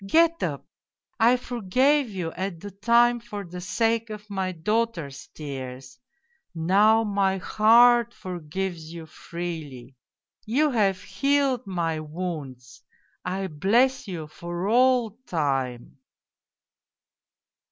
Get up ! I for gave you at the time for the sake of my daughter's tears now my heart forgives you freely ! You have healed my wounds. I bless you for all time